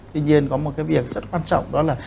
tuy nhiên có một cái việc rất quan trọng đó là